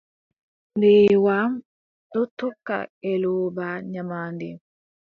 Mbeewa ɗon tokka ngeelooba nyamaande.